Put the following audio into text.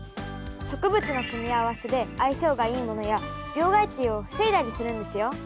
植物の組み合わせで相性がいいものや病害虫を防いだりするんですよ。